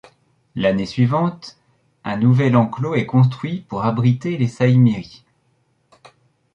L'année suivante, un nouvel enclos est construit pour abriter des saïmiris.